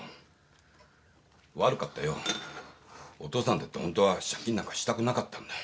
お父さんだってほんとは借金なんかしたくなかったんだよ。